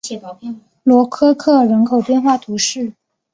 罗科科尔人口变化图示